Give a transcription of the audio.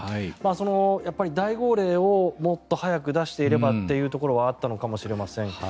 大号令をもっと早く出していればというところがあったのかもしれません。